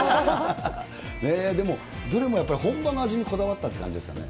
でも、どれもやっぱり本場の味にこだわったって感じですね。